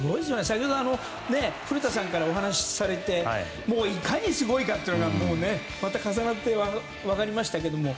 先ほど、古田さんからお話しされていかにすごいかっていうのがまた分かりましたけども。